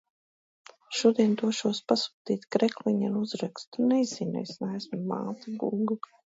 Šodien došos pasūtīt krekliņu ar uzrakstu: Nezinu. Es neesmu māte Gūgle.